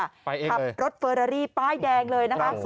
ขับรถเฟอรารี่ป้ายแดงเลยนะคะ